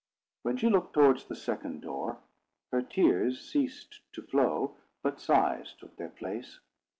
When she looked towards the second door, her tears ceased to flow, but sighs took their place.